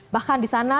bahkan di sana